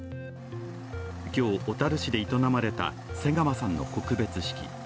今日、小樽市で営まれた瀬川さんの告別式。